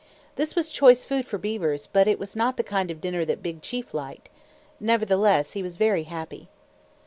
This was choice food for beavers, but it was not the kind of dinner that Big Chief liked. Nevertheless he was very happy.